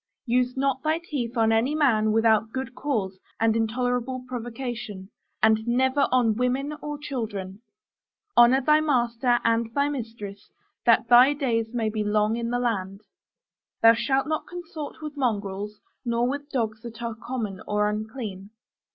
Use not thy teeth on any man without good cause and intolerable provocation; and never on women or children. Honor thy master and thy mistress, that thy days may be long in the land. Thou shalt not consort with mongrels, nor with dogs that are common or unclean.